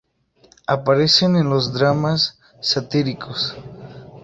Aparecen en los dramas satíricos.